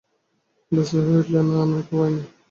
ব্যস্ত হয়ে বলে উঠল, না, আমি তো পাই নি!